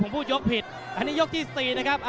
สู้ไหนเลยนะครับ